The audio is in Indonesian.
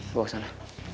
bawa ke sana